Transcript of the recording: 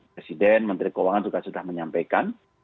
presiden menteri keuangan juga sudah menyampaikan